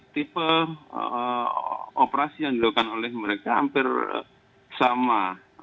tipe operasi yang dilakukan oleh mereka hampir sama